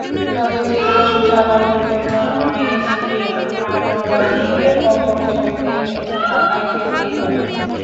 তবে জীবন চালানোর জন্য আয়েশি আড়মোড়া ভেঙে অপছন্দের ঢাকায় ফিরতেই হবে।